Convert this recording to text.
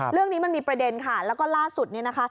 เรื่องนี้มันมีประเด็นค่ะแล้วก็ล่าสุดเนี่ยนะคะ